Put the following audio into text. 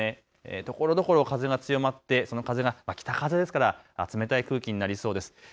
ところどころ風が強まってその風が北風ですから冷たい空気になりそうです。